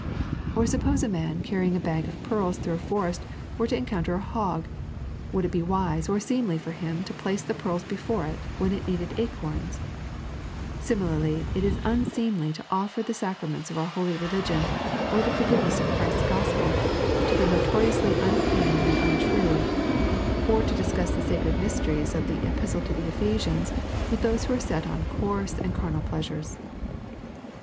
Or suppose a man, carrying a bag of pearls through a forest, were to encounter a hog, would it be wise or seemly for him to place the pearls before it, when it needed acorns 1 Similarly, it is unseemly to offer the sacraments of our holy religion, or t^e forgiveness of Christ's Oospel, to the notoriously un clean and untrue, or to discuss the sacred mysteries of the Epistle to the EpbesiaDS with those who are set on coarse and carnal pleasures.